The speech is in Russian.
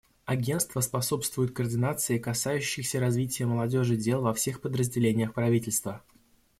Агентство способствует координации касающихся развития молодежи дел во всех подразделениях правительства.